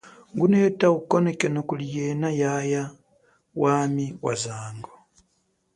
Nguneta ukonekeno kuli yena yaya wami wazango.